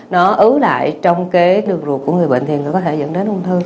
nó ứ lại trong cái được ruột của người bệnh thì nó có thể dẫn đến ung thư